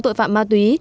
tội phạm ma túy